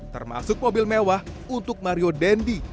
termasuk mobil mewah untuk mario dendy